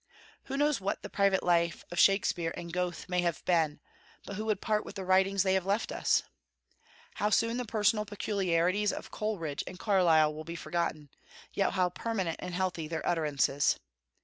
Who knows what the private life of Shakspeare and Goethe may have been, but who would part with the writings they have left us? How soon the personal peculiarities of Coleridge and Carlyle will be forgotten, yet how permanent and healthy their utterances!